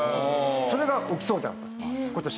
それが起きそうだと今年。